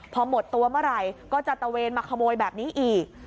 พอหมดตัวเมื่อไหร่ก็จะตะเวนมาขโมยแบบนี้อีก